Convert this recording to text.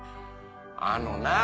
あのなぁ。